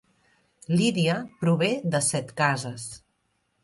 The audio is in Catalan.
Lídia prové de Setcases